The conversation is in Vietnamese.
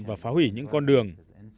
và phá hủy những con đường